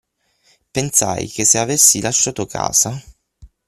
Pensai che se avessi lasciato casa,